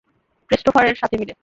Christopher এর সাথে মিলে।